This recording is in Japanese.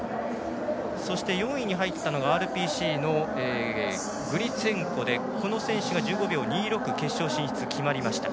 そして４位に入ったのがＲＰＣのグリツェンコでこの選手が１５秒２６で決勝進出が決まりました。